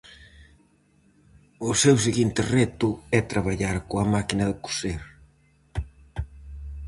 O seu seguinte reto é traballar coa máquina de coser.